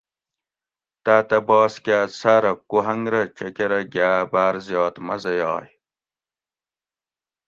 تاٞتہ باس کاٞ ساٞرہ کوہنگ رہ چکٞرہ گاٞ باٞر زیات مزہ یائ